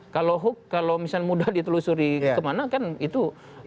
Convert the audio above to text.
kalau hoax kalau misalnya mudah ditelusuri kemana kan itu